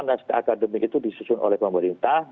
naskah akademik itu disusun oleh pemerintah